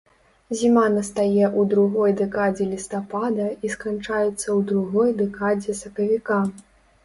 Зіма настае ў другой дэкадзе лістапада і сканчаецца ў другой дэкадзе сакавіка.